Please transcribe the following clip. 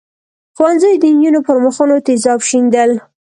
ښوونځیو د نجونو پر مخونو تېزاب شیندل.